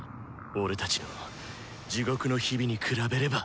俺たちの地獄の日々に比べれば。